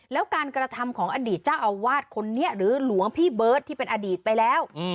แล้วการกระทำของอดีตเจ้าอาวาสคนนี้หรือหลวงพี่เบิร์ตที่เป็นอดีตไปแล้ว